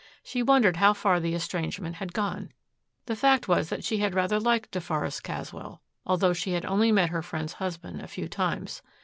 She wondered how far the estrangement had gone. The fact was that she had rather liked deForest Caswell, although she had only met her friend's husband a few times.